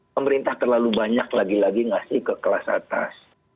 pemerintah terlalu banyak lagi lagi ngasih ke kelas atas